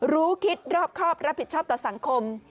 รู้คิดรอบครอบรับผิดชอบต่อสังคม